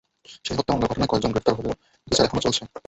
সেই হত্যা মামলার ঘটনার কয়েকজন গ্রেপ্তার করা হলেও বিচার এখনো চলছে।